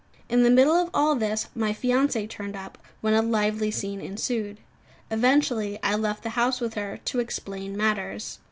In the middle of all this, my fiancée turned up, when a lively scene ensued. Eventually I left the house with her, to explain matters.